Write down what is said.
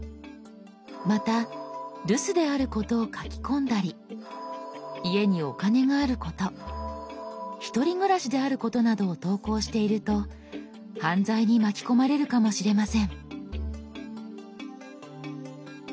また留守であることを書き込んだり家にお金があること１人暮らしであることなどを投稿していると犯罪に巻き込まれるかもしれません。